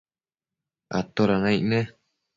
¿atoda naic ne?